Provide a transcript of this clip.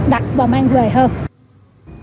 đặt và mang về hơn